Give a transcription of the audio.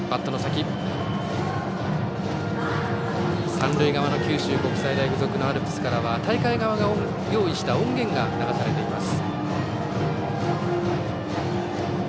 三塁側の九州国際大付属のアルプスからは大会側が用意した音源が流されています。